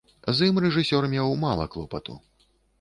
З ім рэжысёр меў мала клопату.